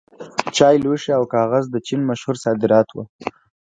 چای، لوښي او کاغذ د چین مشهور صادرات وو.